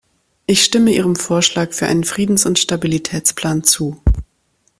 Ich stimme Ihrem Vorschlag für einen Friedens- und Stabilitätsplan zu.